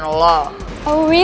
terus gak bisa merhatiin lo